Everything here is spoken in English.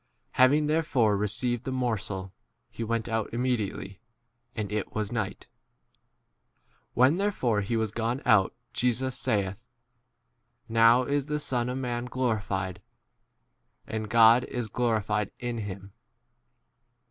Having therefore received the morsel, he° went out immediately ; and it was night. 31 When therefore he was gone out Jesus saith, Now isP the Son of man glorified, and God is p glorified 32 in him.